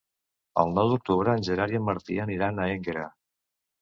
El nou d'octubre en Gerard i en Martí aniran a Énguera.